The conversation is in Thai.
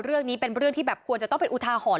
เรื่องนี้เป็นเรื่องที่แบบควรจะต้องเป็นอุทาหรณ์